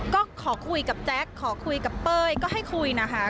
ก็ขอคุยกับแจ๊คขอคุยกับเป้ยก็ให้คุยนะคะ